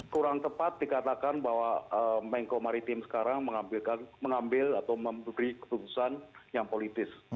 kurang tepat dikatakan bahwa mengko maritim sekarang mengambil atau memberi keputusan yang politis